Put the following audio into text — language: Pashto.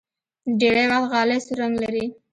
ډېری وخت غالۍ سور رنګ لري.